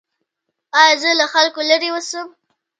ایا زه له خلکو لرې اوسم؟